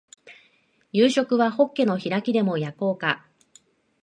夕食はホッケの開きでも焼こうか